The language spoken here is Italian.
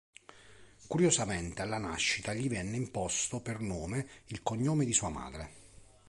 Curiosamente alla nascita gli venne imposto per nome il cognome di sua madre.